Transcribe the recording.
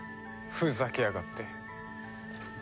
ふざけやがって。